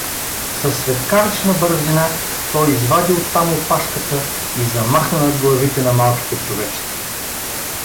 Със светкавична бързина той извади оттам опашката и замахна над главите на малките човечета.